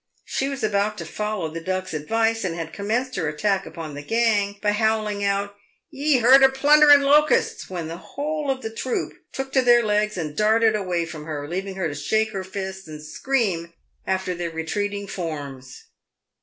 She was about to follow the Duck's advice, and had commenced her attack upon the gang by howling out, " Ye herd o' plundering locusts" ... when the whole of the troop took to their legs and darted away from her, leaving her to shake her fists and scream after their retreating forms.